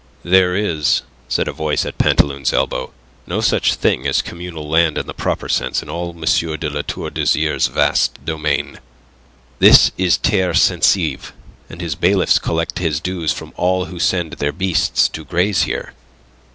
"There is," said a voice at Pantaloon's elbow, "no such thing as communal land in the proper sense in all M. de La Tour d'Azyr's vast domain. This is a terre censive, and his bailiffs collect his dues from all who send their beasts to graze here."